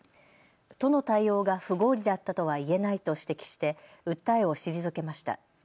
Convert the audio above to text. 都の対応が不合理だったとは言えないと指摘して訴えを退けました。